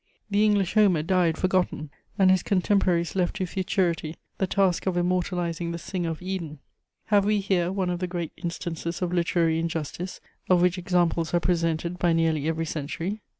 The English Homer died forgotten, and his contemporaries left to futurity the task of immortalizing the singer of Eden. Have we here one of the great instances of literary injustice of which examples are presented by nearly every century?